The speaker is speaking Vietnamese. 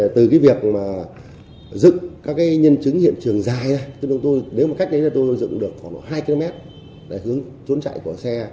từ việc dựng các nhân chứng hiện trường dài nếu cách đấy tôi dựng được khoảng hai km để hướng trốn chạy của xe